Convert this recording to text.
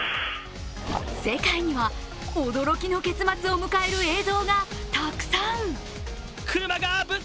世界には驚きの結末を迎える映像がたくさん。